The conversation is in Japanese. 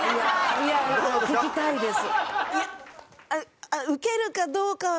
いやあ聞きたいです。